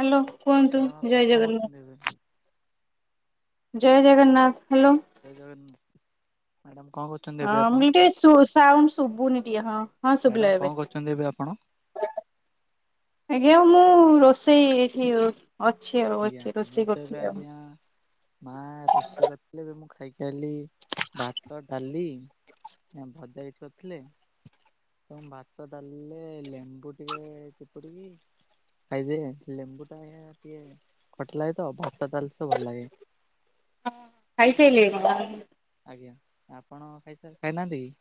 Hello କୁହନ୍ତୁ madam ଆପଣ ଜୟ କଣ ଜଗନ୍ନାଥ। କରୁଛନ୍ତି ଏବେ? ଜୟ ଜଗନ୍ନାଥ ହ୍ୟାଲୋ। ଜୟ ଜଗନ୍ନା ମ୍ୟଡମ୍ କଣ କରୁ ହଁ ମୁଁ ଟିକେ ଶୁ ସାଉଣ୍ଡ ଶୁଭୁନି ଟିକେ ହଁ ହଁ ମ୍ୟାଡ଼ାମ ଶୁଭିଲା କଣ ଏବେ। କରୁଛନ୍ତି ଏବେ ଆପଣ? ଆଜ୍ଞା ମୁଁ ରୋଷେଇ ଏଠି ଅଛି ଆଉ ଆଜ୍ଞା ଅଛି ମୁଁ ରୋଷେଇ ତ ଏବେ କରୁଥିଲି ଆଉ। ଆଜ୍ଞା ମା ରୋଷେଇ କରିଥିଲେ ଏବେ ମୁଁ ଖାଇକି କାଲି ଭାତ ଡାଲି ଭଜା ବି କରିଥିଲେ। ତ ଭାତ ଡାଲିଲେ ଲେମ୍ବୁ ଟିକେ ଚପୁଡିକି ଖାଇ ଯେ ଲେମ୍ବୁ ଟା ଟିକେ ଖଟା ଲାଗେ ତ ଭାତ ଡାଲି ସହ ଭଲ ଲାଗେ। ହଁ ଖାଇସାରିଲେନି କଣ? ଆଜ୍ଞା ଆପଣ ଖାଇ ଖାଇନାହାନ୍ତି କି?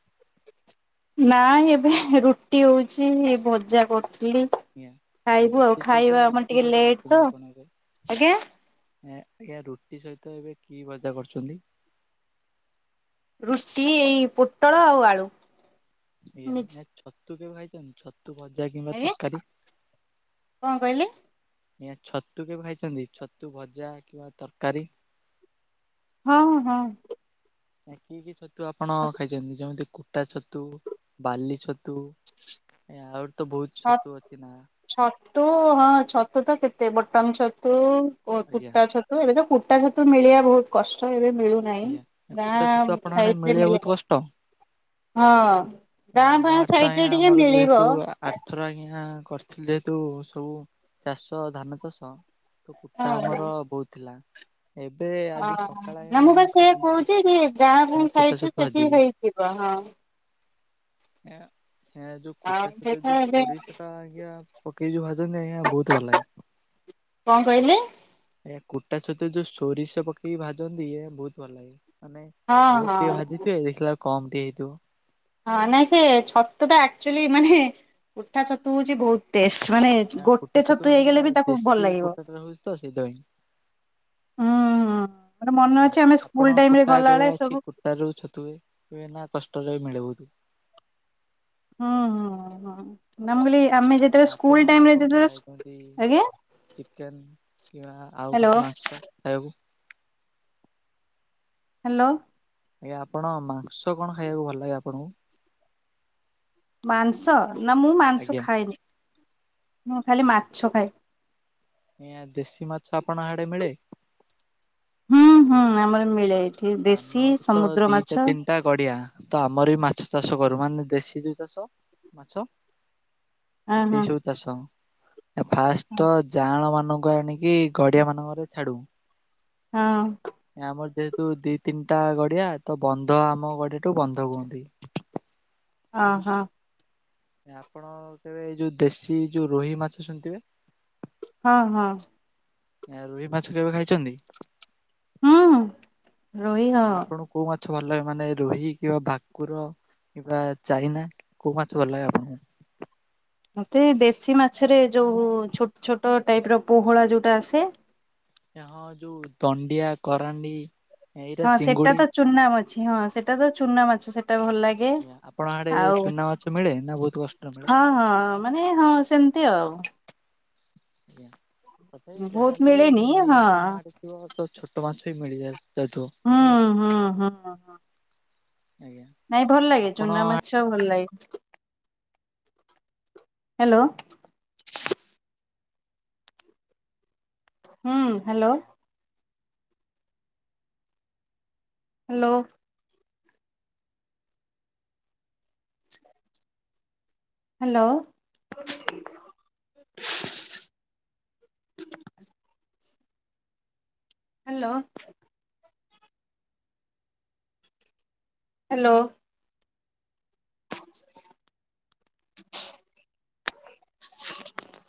ନାଇ ଏବେ ରୁଟି ହଉଛି ଭଜା କରୁଥିଲି। ଆଜ୍ଞା। ଆ ଖାଇବୁ ରୁଟି ଆଉ ସହିତ ଖାଇବା ଆମର କି ଟିକେ ଭଜା ଲେଟ୍ କରୁଛନ୍ତି ତ ଆପଣ ଏବେ? ଆଜ୍ଞା। ଆଜ୍ଞା ରୁଟି ସହିତ ଏବେ କି ଭଜା କରୁଛନ୍ତି? ରୁଟି ଏଇ ପୋଟଳ ଆଉ ଆଳୁ। ମିକ୍ସ। ଆଜ୍ଞା ଛତୁ କେବେ ଖାଇଛନ୍ତି ଛ ଛତୁ ଭଜା କିମ୍ବା ଆଜ୍ଞା ତରକାରୀ? କଣ କହିଲେ? ଆଜ୍ଞା ଛତୁ କେବେ ଖାଇଛନ୍ତି ଛତୁ ଭଜା କିମ୍ବା ତରକାରୀ? ହଁ ହଁ। କି କି ଛତୁ ଆପଣ ଖାଇଛନ୍ତି ଯେମିତି କୁଟା ଛତୁ ବାଲି ଛତୁ ଏ ଆହୁରି ତ ବହୁତ ଛଅ ଛତୁ ଅଛି ନା। ଛତୁ ହଁ ଛତୁ ତ କେତେ ବଟନ ଛତୁ ଆଜ୍ଞା କୁଟା ଛ ତ ଏବେ ତ କୁଟା ଛତୁ ମିଲିବା ବହୁତ କଷ୍ଟ ଏବେ ମିଳୁନି। ଆଜ୍ଞା କୁଟା ଛତୁ ଆପଣଙ୍କ ଆଡ଼େ ମିଳିବା ମିଳେ ବହୁତ କଷ୍ଟ? ହଁ ଏ ଗାଁ ଗାଁ ସାଇଟି ରେ ଟିକେ ମିଳିବ। ଆର୍ଥର ଆଜ୍ଞା କରିଥିଲି ଯୁ ସବୁ ଚାଷ ଧାନ ଚାଷ କୁଟା ହଁ ଆମର ବୋହୁତ ଥିଲା ଏବେ ଓ ଆଜି ସକାଳେ ନା ଆଜ୍ଞା ମୁଁ ବା ସେଇୟା ଖାଇଥିଲି କହୁଛି ଯେ ଗାଁ ଗାଁ କୁଟା ସାଇତ ଛତୁ ସେଠି ଭାଜିକି। ହେଇଯିବ ହଁ। ଏଁ ଯଉ ଆଉ କୁଟା ସେ ସେଇଟା ଯୋଉ ଏବେ ଶରୀ ସେଟା ଆଜ୍ଞା। ପକେଇ ଯୋଉ ଭାଜନ୍ତି ଆଜ୍ଞା ବହୁତ ଭଲ ଲାଗେ। କଣ କହିଲେ? ଏ କୁଟା ଛତୁରେ ଯୋଉ ସୋରିଷ ପକେଇକି ଭାଜନ୍ତି ଏ ବହୁତ ଭଲ ଲାଗେ। ମାନେ ହଁ ବହୁତ ହଁ ଟିକେ ଭାଜିଥିବେ ଦେଖିଲାଉ କମ୍ ଟିକେ ହେଇଥିବ। ହଁ ନାଇଁ ସେ ଛତୁ ଟା ଆକ୍ଚୁଆଲି ମାନେ କୁଟା ଛତୁ ହଉଛି ବହୁତ ଟେଷ୍ଟ ମାନେ କୁଟା ଗୋଟେ ଛତୁ ମାନେ ପୁରା ହେଇଗଲେ ବି ତାକୁ ଭଲ ଦେଶୀ ଲାଗିବ। କୁଟାଟା ରହୁଛି ତ ସେଇଥିପାଇଁ। ହୁଁ ହୁଁ ମୋର ମନେ ଆଜ୍ଞା ଅଛି ଆମେ ଆପଣ ସ୍କୁଲ ଟାଇମ୍ ରେ ଗଲାବେଳେ ଏ ସବୁ କୁଟା ରେ ଯୋଉ ଛତୁ ହୁଏ ମିଳେ ନା କଷ୍ଟରେ ବି ମିଳେ ବହୁତ ହଁ ହଁ ହଁ ନା ମୁଁ କହିଲି ଆମେ ଯେତେବେଳେ ଆପଣ ସ୍କୁଲ ଟାଇମ୍ ରେ ଯେତେବେଳେ ଷ୍କୁ ଆଜ୍ଞା? ଚିକେନ୍ କିବା ଆଉ ହ୍ୟାଲୋ କିଛି ମାଂସ ଖାଇବାକୁ ହ୍ୟାଲୋ। ଆଜ୍ଞା ଆପଣ ମାଂସ କଣ ଖାଇବାକୁ ଭଲ ଲାଗେ ଆପଣଙ୍କୁ? ମାଂସ ନା ମୁଁ ମାଂସ ଆଜ୍ଞା ଖାଏନି ମୁଁ ଖାଲି ମାଛ ଖାଏ। ଏ ଦେଶୀ ମାଛ ଆପଣଙ୍କ ହାଡେ ମିଳେ? ହୁଁ ହଁ ଆମର ମିଳେ ଏଠି ଦେଶୀ ସମୁଦ୍ର ମାଛ ଟା ଗଡ଼ିଆ ତ ଆମର ବି ମାଛ ଚାଷ କରୁ ମାନେ ଦେଶୀ ଯଉ ଚାଷ ମାଛ ହଁ ହଁ ସେଇ ସବୁ ଚାଷ ଫାଷ୍ଟ ଯାଆଁଳ ମାନଙ୍କୁ ଆଣିକି ଗଡିଆ ମାନଙ୍କରେ ଛାଡ଼ୁ ହଁ। ଆମର ଯେହେତୁ ଦି ତିନିଟା ଗଡିଆ ତ ବନ୍ଧ ଆମ ଗଡିଆଠୁ ବନ୍ଧ କୁହନ୍ତି। ଅହ! ଆପଣ କେବେ ଯୋଉ ଦେଶୀ ଯୋଉ ରୋହି ମାଛ ଶୁଣିଥିବେ? ହଁ ହଁ। ଏ ରୋହି ମାଛ କେବେ ଖାଇଛନ୍ତି? ହୁଁ। ରୋହି ହଁ ଆପଣଙ୍କୁ କୋଉ ମାଛ ଭଲ ଲାଗେ ମାନେ ରୋହି କିବା ଭାକୁର? କିିବା ଚାଇନା କୋଉ ମାଛ ଭଲ ଲାଗେ ଆପଣଙ୍କୁ? ମତେ ଦେଶୀ ମାଛରେ ଯୋଉ ଛୋଟ୍ ଛୋଟ ଟାଇପ୍ ର ପୋହଳା ଯୋଉଟା ଆସେ ଏ ହଁ ଯୋଉ ଦଣ୍ଡିଆ, କରାଣ୍ଡି ଏଇଟା ହଁ ସେଟା ଚିଙ୍ଗୁଡି ତ ଚୁନା ମାଛି ହଁ ସେଟା ତ ଚୁନା ମାଛ ସେଟା ଭଲ ଲାଗେ। ଆଜ୍ଞା ଆପଣ ଆଡେ ଆଉ ଚୁନା ମାଛ ମିଳେ ନା ବହୁତ କଷ୍ଟରେ ହଁ ମିଳେ? ହଁ ମାନେ ହଁ ସେମିତି ଆଉ। ଆଜ୍ଞା ତଥାପି ବହୁତ ଯାହାହେଲେ ବି ମିଳେନି ନଈ ହଁ ଆପଣଙ୍କ ଆଡେ ଥିବ ତ ଛୋଟ ମାଛ ବି ମିଳିଯାଏ। ହଁ ହଁ ହଁ ହଁ। ଆଜ୍ଞା ନାଇଁ ଭଲ ଲାଗେ ଆପଣ ଚୁନା ମାଛ ଭଲ ଲାଗେ। ହ୍ୟାଲୋ। ହୁଁ hello. Hello. Hello. Hello. Hello. [inaudible] [inaudible]